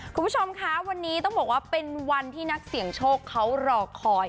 คุณผู้ชมคะวันนี้ต้องบอกว่าเป็นวันที่นักเสี่ยงโชคเขารอคอย